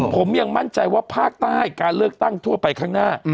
ผมยังมั่นใจว่าภาคใต้การเลือกตั้งทั่วไปข้างหน้า